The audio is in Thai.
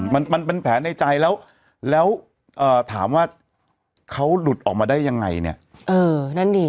มันมันเป็นแผลในใจแล้วแล้วเอ่อถามว่าเขาหลุดออกมาได้ยังไงเนี่ยเออนั่นดิ